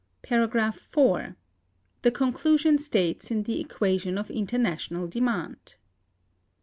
§ 4. The conclusion states in the Equation of International Demand.